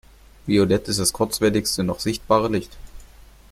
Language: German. Violett ist das kurzwelligste noch sichtbare Licht.